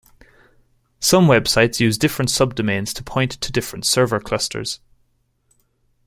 Some websites use different subdomains to point to different server clusters.